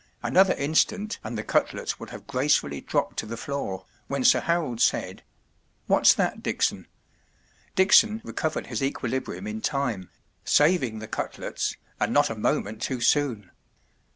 Another instant and the cutlets would have gracefully dropped to the floor, when Sir Harold said:— “ What’s that, Dickson ? ” Dickson recovered his equilibrium in time, saving the cutlets, and not a moment too soon.